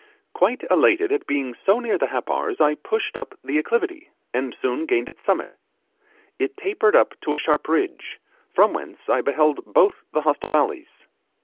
'Quite elated at being so near the Happars, I pushed up the acclivity, and soon gained its summit. It tapered to a sharp ridge, from whence I beheld both the hostile valleys.